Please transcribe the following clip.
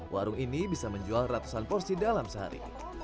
warung ini bisa menjual ratusan porsi dalam sehari